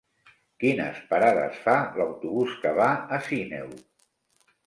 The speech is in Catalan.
Quines parades fa l'autobús que va a Sineu?